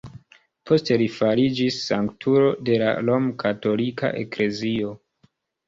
Poste li fariĝis sanktulo de la rom-katolika Eklezio.